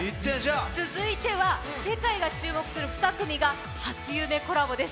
続いては、世界が注目する２組が初夢コラボです。